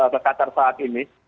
ke qatar saat ini